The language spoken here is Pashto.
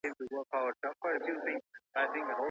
طبي پوهنځۍ پرته له پلانه نه پراخیږي.